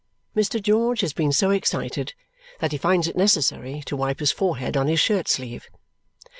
Mr. George has been so excited that he finds it necessary to wipe his forehead on his shirt sleeve.